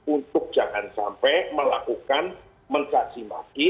untuk jangan sampai melakukan mencaci maki